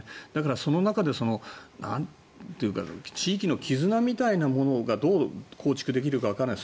その中で地域の絆みたいなものがどう構築できるかわからない。